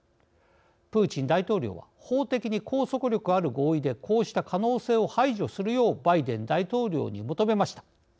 プーチン大統領は法的に拘束力ある合意でこうした可能性を排除するようバイデン大統領に求めました。